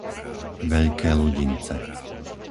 Veľké Ludince